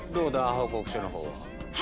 報告書の方は。